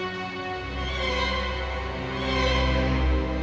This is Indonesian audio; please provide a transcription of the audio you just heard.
dia menemukan beberapa kamar di dalam ruangan